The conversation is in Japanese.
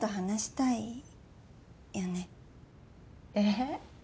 えっ？